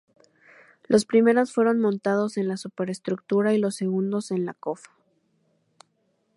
Los primeros fueron montados en la superestructura y los segundos en la cofa.